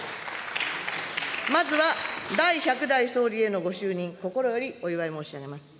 まずは第１００代総理へのご就任、心よりお祝い申し上げます。